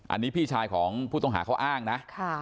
อันนี้พี่ชายของผู้ต้องหาเขาอ้างนะ